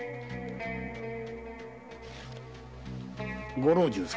ご老中様